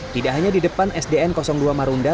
tidak hanya di depan sdn dua marunda